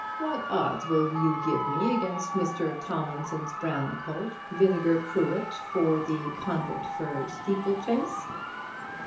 What odds will you give me against Mr. Tomlinson's brown colt, Vinegar Cruet, for the Conventford steeple chase?"